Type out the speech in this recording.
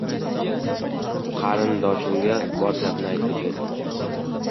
Qarin- doshimga bor gapni aytib berdim.